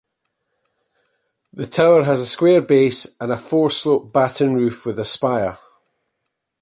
The tower has a square base and a four-slope batten roof with a spire.